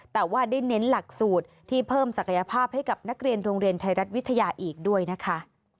แต่ว่าได้เน้นหลักสูตรที่เพิ่มศักยภาพให้กับนักเรียนโรงเรียนไทยรัฐวิทยาอีกด้วยนะคะ